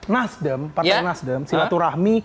nasdem partai nasdem silaturahmi